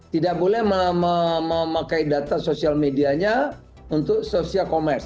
tidak boleh memakai data sosial medianya untuk social commerce